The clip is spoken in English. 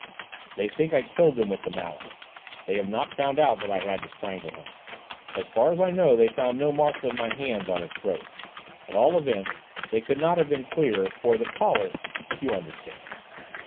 "They think I killed him with the mallet. They have not found out that I had to strangle him. As far as I know, they found no marks of my hands on his throat. At all events, they could not have been clear, for his collar you understand."